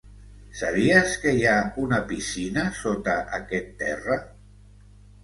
Sabies que hi ha una piscina sota aquest terra?